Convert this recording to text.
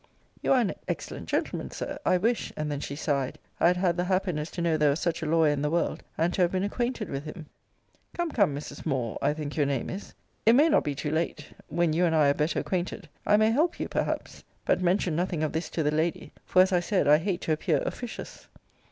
You are an excellent gentleman, Sir: I wish [and then she sighed] I had had the happiness to know there was such a lawyer in the world; and to have been acquainted with him. Come, come, Mrs. Moore, I think your name is, it may not be too late when you and I are better acquainted, I may help you perhaps. But mention nothing of this to the lady: for, as I said, I hate to appear officious.